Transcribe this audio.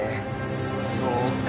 そうか。